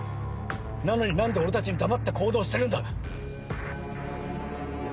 なのに何で俺たちに黙って行動してるんだ。